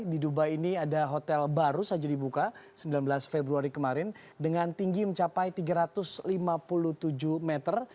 di dubai ini ada hotel baru saja dibuka sembilan belas februari kemarin dengan tinggi mencapai tiga ratus lima puluh tujuh meter